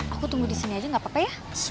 aku tunggu di sini aja gak apa apa ya